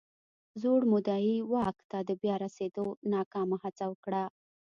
زوړ مدعي واک ته د بیا ستنېدو ناکامه هڅه وکړه.